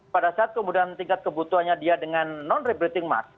pada saat kemudian tingkat kebutuhannya dia dengan non rebrating mask